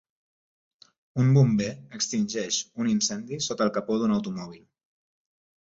Un bomber extingeix un incendi sota el capó d'un automòbil